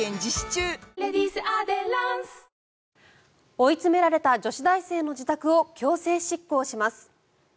追い詰められた女子大生の自宅を強制執行します。